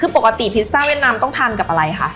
ปกติพริซซาเวียดนามต้องทานแล้วทำกับอะไรค่ะ